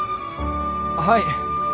はい！